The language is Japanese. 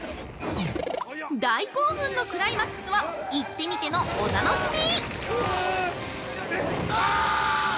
大興奮のクライマックスは行ってみてのお楽しみ！